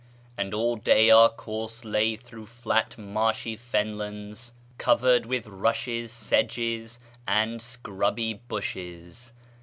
and all day our course lay through Hat marshy fen lands, covered with rushes, sedges, and scrubby bushes.